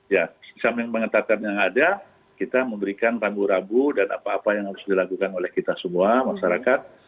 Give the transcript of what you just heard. ya sambil menghentakannya ada kita memberikan rambu rambu dan apa apa yang harus dilakukan oleh kita semua masyarakat